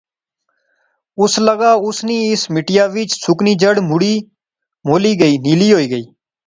اس لاغا اس نی اس مٹیا وچ سکنی جڑ مڑی مولی گئی، نیلی ہوئی گئی